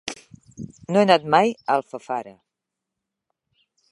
No he anat mai a Alfafara.